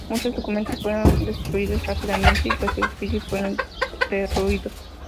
Muchos documentos fueron destruidos rápidamente y los edificios fueron derruidos.